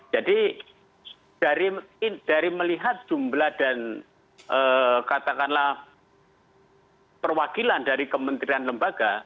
jadi dari melihat jumlah dan katakanlah perwakilan dari kementerian lembaga